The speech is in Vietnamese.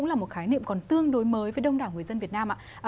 là một khái niệm còn tương đối mới với đông đảo người dân việt nam ạ